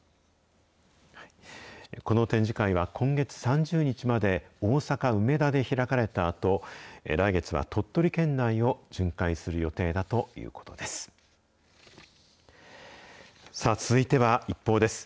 この展示会は、今月３０日まで大阪・梅田で開かれたあと、来月は鳥取県内を巡回する予定だということです。